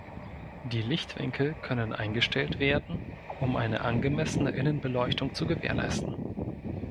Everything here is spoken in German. Die Lichtwinkel können eingestellt werden, um eine angemessene Innenbeleuchtung zu gewährleisten.